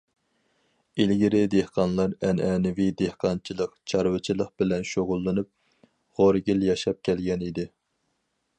ئىلگىرى دېھقانلار ئەنئەنىۋى دېھقانچىلىق، چارۋىچىلىق بىلەن شۇغۇللىنىپ، غورىگىل ياشاپ كەلگەن ئىدى.